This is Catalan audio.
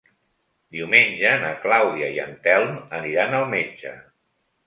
Diumenge na Clàudia i en Telm aniran al metge.